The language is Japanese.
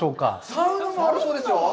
サウナもあるそうですよ！